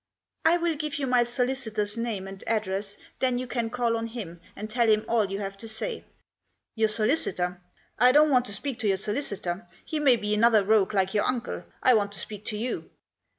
" I will give you my solicitor's name and address, then you can call on him, and tell him all you have to say." " Your solicitor ! I don't want to speak to your solicitor ; he may be another rogue like your uncle. I want to speak to you."